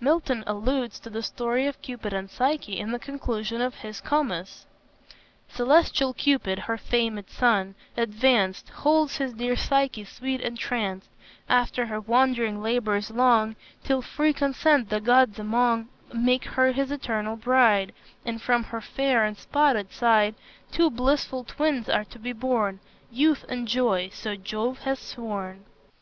Milton alludes to the story of Cupid and Psyche in the conclusion of his "Comus": "Celestial Cupid, her famed son, advanced, Holds his dear Psyche sweet entranced, After her wandering labors long, Till free consent the gods among Make her his eternal bride; And from her fair unspotted side Two blissful twins are to be born, Youth and Joy; so Jove hath sworn."